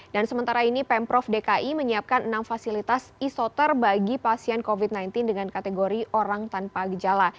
sementara ini pemprov dki menyiapkan enam fasilitas isoter bagi pasien covid sembilan belas dengan kategori orang tanpa gejala